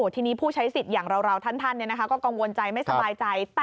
ทีนี้ผู้ใช้สิทธิ์อย่างเราท่านก็กังวลใจไม่สบายใจ